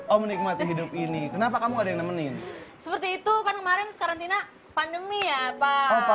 oh menikmati hidup ini kenapa kamu ada yang nemenin seperti itu pak kemarin karantina pandemi ya pak